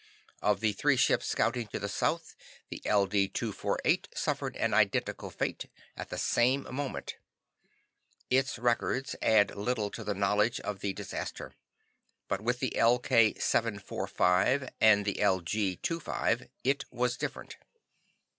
"Of the three ships scouting to the south, the LD 248 suffered an identical fate, at the same moment. Its records add little to the knowledge of the disaster. But with the LK 745 and the LG 25 it was different.